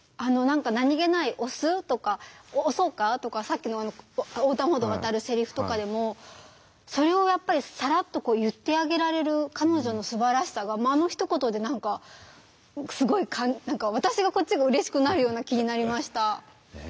何気ない「押す？」とか「押そうか？」とかさっきの横断歩道を渡るせりふとかでもそれをやっぱりさらっと言ってあげられる彼女のすばらしさがあのひと言で何かすごい私がこっちがうれしくなるような気になりました。